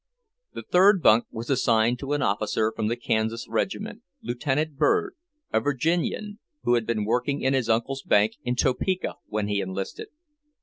The third bunk was assigned to an officer from the Kansas regiment, Lieutenant Bird, a Virginian, who had been working in his uncle's bank in Topeka when he enlisted.